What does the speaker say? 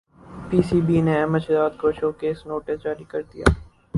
پی C B نے احمد شہزاد کو show cause notice جاری کردیا